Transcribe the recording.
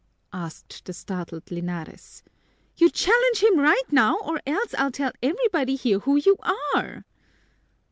asked the startled Linares. "You challenge him right now or else I'll tell everybody here who you are."